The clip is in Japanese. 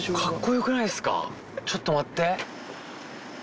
ちょっと待って。